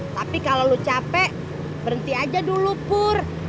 tapi kalo lu capek berhenti aja dulu pur